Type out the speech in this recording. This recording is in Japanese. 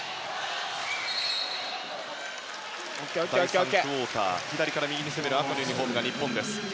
第３クオーター左から右に攻める赤のユニホームが日本です。